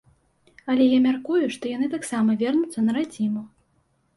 Але я мяркую, што яны таксама вернуцца на радзіму.